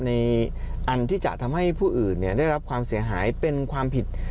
อันที่จะทำให้ผู้อื่นได้รับความเสียหายเป็นความผิด